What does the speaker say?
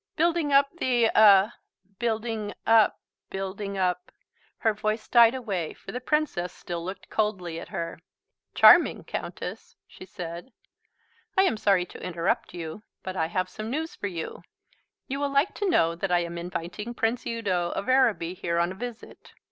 "Building up the er building up building up " Her voice died away, for the Princess still looked coldly at her. "Charming, Countess," she said. "I am sorry to interrupt you, but I have some news for you. You will like to know that I am inviting Prince Udo of Araby here on a visit.